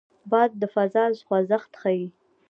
باد د فضا خوځښت ښيي